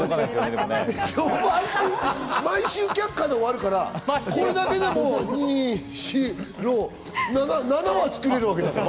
毎週却下で終わるから、これだけでも７話、作れるわけだから。